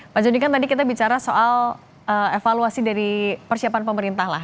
pak jody kan tadi kita bicara soal evaluasi dari persiapan pemerintah lah